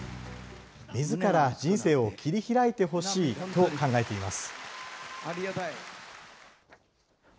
みずから人生を切り開いてほしいと考えています。